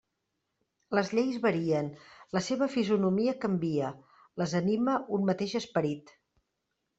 Les lleis varien; la seva fisonomia canvia; les anima un mateix esperit.